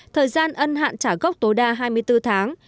thời gian ân hạn trả gốc tối đa hai mươi bốn tháng